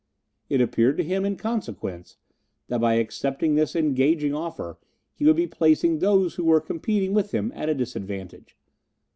It appeared to him, in consequence, that by accepting this engaging offer he would be placing those who were competing with him at a disadvantage.